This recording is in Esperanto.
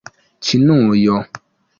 Ĉinujo